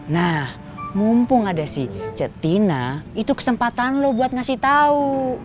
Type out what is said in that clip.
nah mumpung ada si cetina itu kesempatan lo buat ngasih tahu